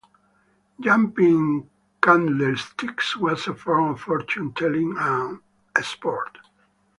Jumping candlesticks was a form of fortune telling and a sport.